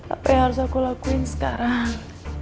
apa yang harus aku lakuin sekarang